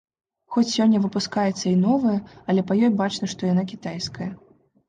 Хоць сёння выпускаецца і новая, але па ёй бачна, што яна кітайская.